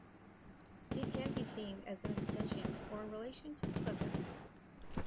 It can be seen as an extension or in relation to the subject.